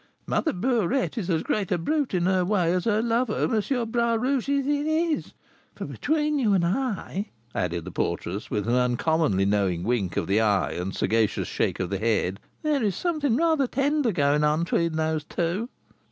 Mother Burette is as great a brute in her way as her lover, M. Bras Rouge, is in his; for between you and I," added the porteress, with an uncommonly knowing wink of the eye and sagacious shake of the head, "there is something rather tender going on between these two."